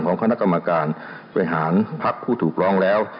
คณะกรรมการบริหารพักผู้ถูกร้องแล้ว